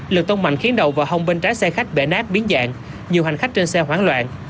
lực tông mạnh khiến đầu và hông bên trái xe khách bể nát biến dạng nhiều hành khách trên xe hoảng loạn